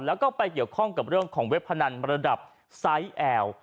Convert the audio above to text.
แล้วก็ไปเกี่ยวข้องกับเรื่องของเว็บพนันระดับไซส์แอล